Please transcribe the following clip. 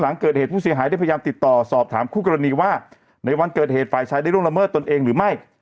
หลังเกิดเหตุผู้เสียหายได้พยายามติดต่อสอบถามคู่กรณีว่าในวันเกิดเหตุฝ่ายชายได้ล่วงละเมิดตนเองหรือไม่